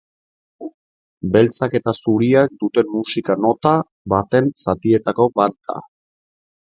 Beltzak eta zuriak duten musika nota baten zatietako bat da.